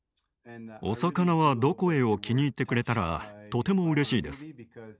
「さかなはどこへ？」を気に入ってくれたらとてもうれしいです。